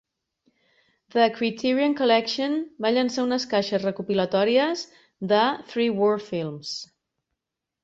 The Criterion Collection va llançar unes caixes recopilatòries de Three War Films.